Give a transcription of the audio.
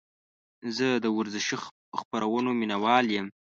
زه د ورزشي خپرونو مینهوال یم.